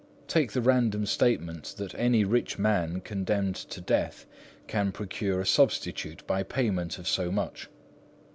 Take the random statement that any rich man condemned to death can procure a substitute by payment of so much.